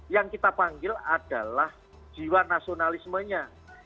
yang kita panggil adalah jiwa nasionalismenya